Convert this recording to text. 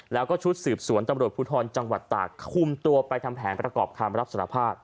แล้วก็ชุดสืบสวนตำรวจภูทรจังหวัดตากคุมตัวไปทำแผนประกอบคำรับสารภาพ